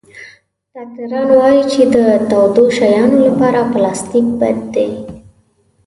ډاکټران وایي چې د تودو شیانو لپاره پلاستيک بد دی.